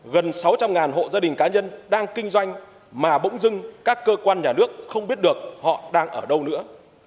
gần sáu trăm linh hộ gia đình cá nhân đang kinh doanh mà bỗng dưng các cơ quan nhà nước không biết được họ đang ở đâu nữa